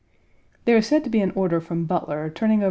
There is said to be an order from Butler1 turning over 1.